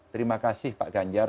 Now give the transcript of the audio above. terima kasih pak ganjar